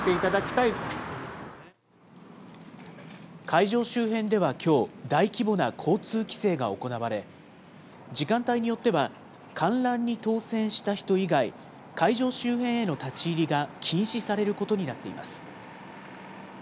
会場周辺ではきょう、大規模な交通規制が行われ、時間帯によっては、観覧に当せんした人以外、会場周辺への立ち入りが禁止されることになっています。